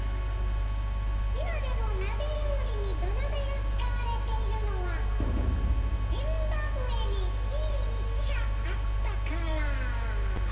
今でも鍋料理に土鍋が使われているのはジンバブエにいい石があったから。